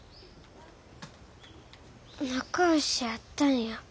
仲良しやったんや。